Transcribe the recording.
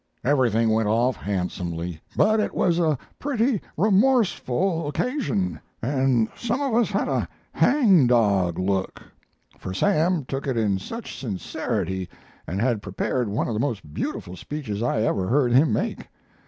"Everything went off handsomely; but it was a pretty remorseful occasion, and some of us had a hang dog look; for Sam took it in such sincerity, and had prepared one of the most beautiful speeches I ever heard him make.